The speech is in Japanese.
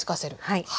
はい。